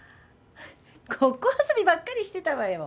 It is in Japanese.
ごっこ遊びばっかりしてたわよ